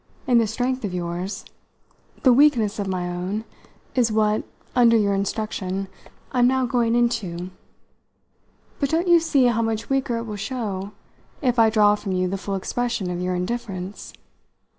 in the strength of yours. The weakness of my own is what, under your instruction, I'm now going into; but don't you see how much weaker it will show if I draw from you the full expression of your indifference?